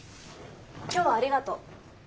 今日はありがとう。